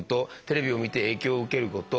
テレビを見て影響を受けること。